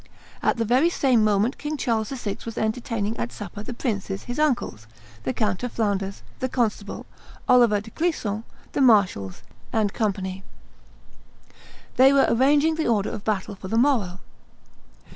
At the very same moment King Charles VI. was entertaining at supper the princes his uncles, the Count of Flanders, the constable, Oliver de Clisson, the marshals, &c. They were arranging the order of battle for the morrow.